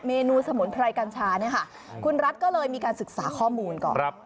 เมนูสมุนไพรกัญชาเนี่ยค่ะคุณรัฐก็เลยมีการศึกษาข้อมูลก่อน